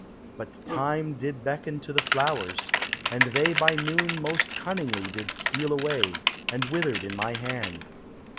But Time did beckon to the flowers, and they By noon most cunningly did steal away, And withered in my hand.